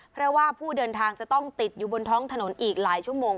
เพราะว่าผู้เดินทางจะต้องติดอยู่บนท้องถนนอีกหลายชั่วโมง